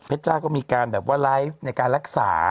จ้าก็มีการแบบว่าไลฟ์ในการรักษา